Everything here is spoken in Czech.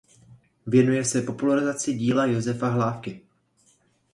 Věnuje se popularizaci díla Josefa Hlávky.